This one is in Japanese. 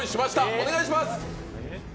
お願いします。